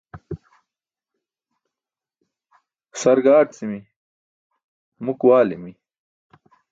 Sar gaarci̇mi̇, muk waali̇mi̇.